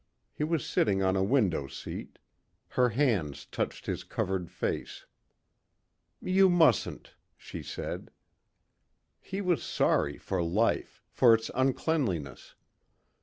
He was sitting on a window seat. Her hands touched his covered face. "You mustn't," she said. He was sorry for life, for its uncleanliness.